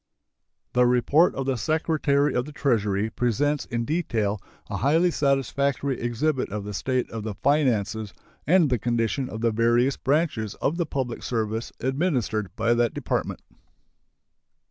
The report of the Secretary of the Treasury presents in detail a highly satisfactory exhibit of the state of the finances and the condition of the various branches of the public service administered by that Department.